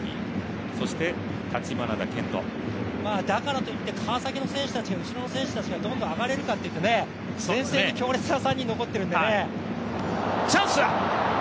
だからといって川崎の選手たちの後ろの選手たちがどんどん上がれるかというと、前線に強烈な３人が残ってるんでね。